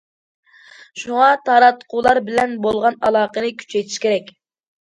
شۇڭا تاراتقۇلار بىلەن بولغان ئالاقىنى كۈچەيتىش كېرەك.